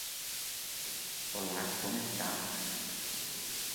Olá como estás?